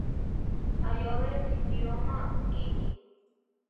Ayóbe simíroma ukiki.